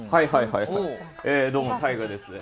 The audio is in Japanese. どうも、ＴＡＩＧＡです。